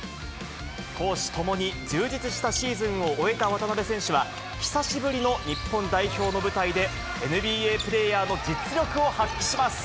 公私ともに充実したシーズンを終えた渡邊選手は、久しぶりの日本代表の舞台で、ＮＢＡプレーヤーの実力を発揮します。